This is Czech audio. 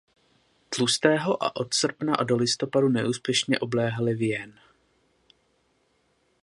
Tlustého a od srpna do listopadu neúspěšně obléhali Vienne.